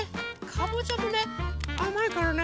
かぼちゃもねあまいからね。